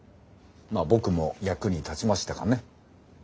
まあ僕も役に立ちましたかね。